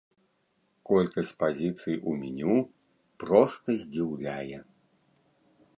Колькасць пазіцый у меню проста здзіўляе.